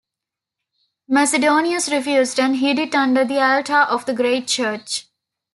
Macedonius refused, and hid it under the altar of the great church.